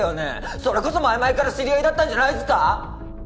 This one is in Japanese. それこそ前々から知り合いだったんじゃないっすか？